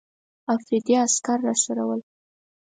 افریدي عسکر راسره ول.